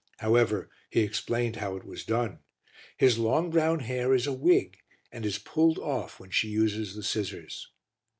However, he explained how it was done: his long brown hair is a wig and is pulled off when she uses the scissors.